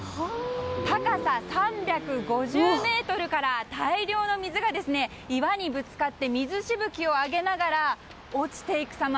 高さ３５０ｍから大量の水が岩にぶつかって水しぶきを上げながら落ちていくさま